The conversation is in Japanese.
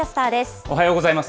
おはようございます。